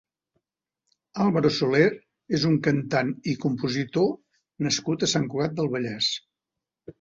Álvaro Soler és un cantant i compositor nascut a Sant Cugat del Vallès.